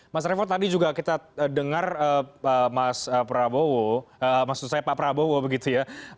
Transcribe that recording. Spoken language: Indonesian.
mas revo tadi juga kita dengar mas prabowo maksud saya pak prabowo begitu ya